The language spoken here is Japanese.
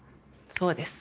そうです。